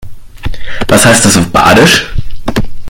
Was heißt das auf Badisch?